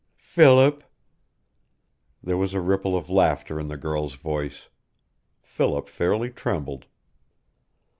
"Philip." There was a ripple of laughter in the girl's voice. Philip fairly trembled.